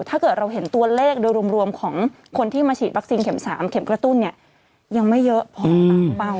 ถ้าเกิดเราเห็นตัวเลขโดยรวมของคนที่มาฉีดวัคซีนเข็ม๓เข็มกระตุ้นเนี่ยยังไม่เยอะพอตามเป้า